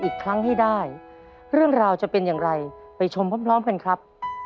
อีกครั้งให้ได้เรื่องราวจะเป็นอย่างไรไปชมพร้อมกันครับ